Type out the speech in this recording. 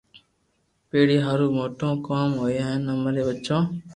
پيڙي ھارون موٽو ڪوم ھوئي ھين امري ٻچو